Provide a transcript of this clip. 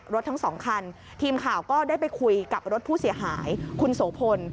รถทั้งสองคันทีมข่าวก็ได้ไปคุยกับรถผู้เสียหายคุณโสพล